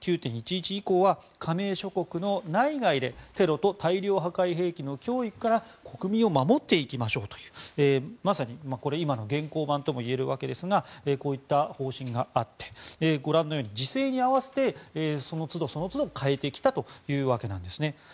９・１１以降は加盟諸国の内外でテロと大量破壊兵器の脅威から国民を守っていきましょうというまさに今の現行版ともいえるわけですがこういった方針があってご覧のように時勢に合わせてその都度変えてきたというわけなんですね。